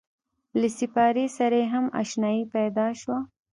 له سپارې سره یې هم اشنایي پیدا شوه.